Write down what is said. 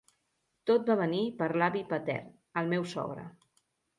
Tot va venir per l'avi patern, el meu sogre.